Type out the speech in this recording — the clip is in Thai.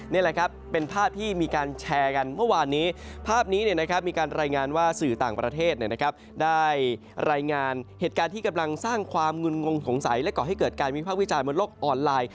นี่แหละครับเป็นภาพที่มีการแชร์กันเมื่อวานนี้ภาพนี้มีการรายงานว่าสื่อต่างประเทศได้รายงานเหตุการณ์ที่กำลังสร้างความงุ่นงงสงสัยและก่อให้เกิดการวิภาควิจารณ์บนโลกออนไลน์